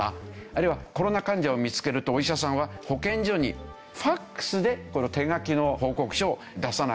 あるいはコロナ患者を見つけるとお医者さんは保健所にＦＡＸで手書きの報告書を出さなければいけない。